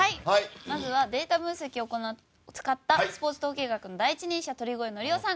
まずはデータ分析を使ったスポーツ統計学の第一人者鳥越規央さん